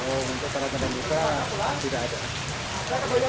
untuk penyakit kandang buka tidak ada